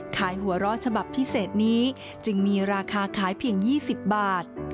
หัวเราะฉบับพิเศษนี้จึงมีราคาขายเพียง๒๐บาท